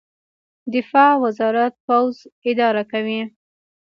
دفاع وزارت پوځ اداره کوي